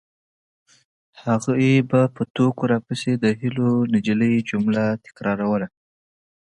هغې به په ټوکو راپسې د هیلو نجلۍ جمله تکراروله